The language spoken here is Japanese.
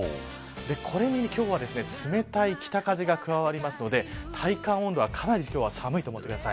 これに今日は冷たい北風が加わるので体感温度は、かなり今日は寒いと思ってください。